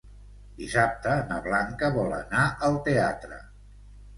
Dissabte na Blanca vol anar al teatre.